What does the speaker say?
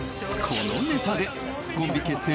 このネタでコンビ結成